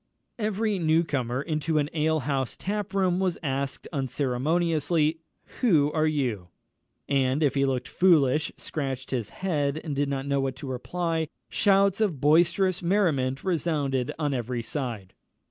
Every new comer into an alehouse tap room was asked unceremoniously, "Who are you?" and if he looked foolish, scratched his head, and did not know what to reply, shouts of boisterous merriment resounded on every side.